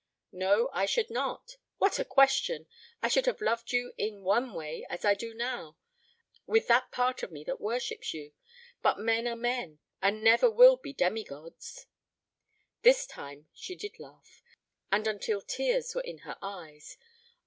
"No, I should not. What a question! I should have loved you in one way as I do now with that part of me that worships you. But men are men, and never will be demi gods." This time she did laugh, and until tears were in her eyes.